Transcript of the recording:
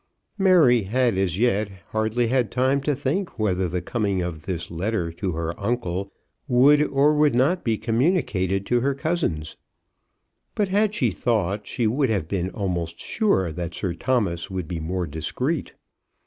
Mary had as yet hardly had time to think whether the coming of this letter to her uncle would or would not be communicated to her cousins; but had she thought, she would have been almost sure that Sir Thomas would be more discreet.